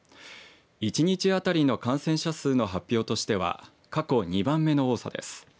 一日当たりの感染者数の発表としては過去２番目の多さです。